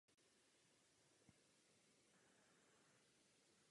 Žádné alternativní řešení však nebylo představeno.